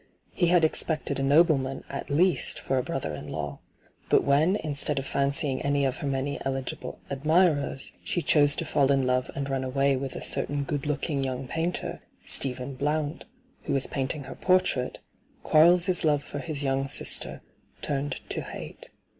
He had expected a nobleman, at least, for a brother in law. But when, instead of fencying any of her many eligible admirers, she chose to fall in love and run away with a certain good looking young painter, Stephen Blount, who was painting her portrait, Quarles' love for his young sister turned to hate.